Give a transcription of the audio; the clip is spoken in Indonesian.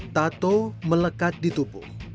tuhan yang tampak